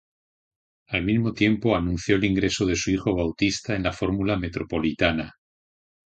Al mismo tiempo, anunció el ingreso de su hijo Bautista en la Fórmula Metropolitana.